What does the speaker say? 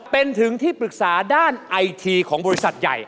เป็นถึงที่ปรึกษาด้านไอทีของบริษัทใหญ่